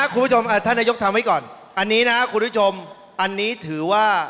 คุณผู้ชมท่านนายกทำให้ก่อนอันนี้นะคุณผู้ชมอันนี้ถือว่า